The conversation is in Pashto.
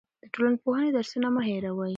د ټولنپوهنې درسونه مه هېروئ.